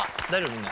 みんな。